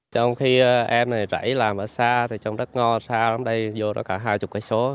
trong khi em rẫy làm ở xa trong đất ngo xa lắm đây vô cả hai mươi km